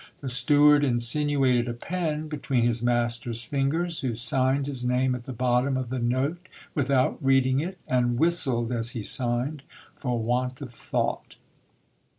^ The steward insinuated a pen between his master's fingers, who signed his name at the bottom of the note, without reading it ; and whistled as he signed, for want of thought.